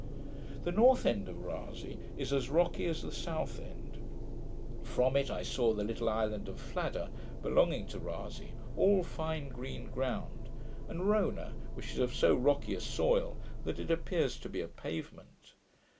The north end of Rasay is as rocky as the south end. From it I saw the little Isle of Fladda, belonging to Rasay, all fine green ground; and Rona, which is of so rocky a soil that it appears to be a pavement.